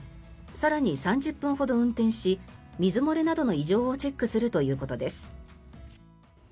更に３０分ほど運転し水漏れなどの異常をチェックするということです。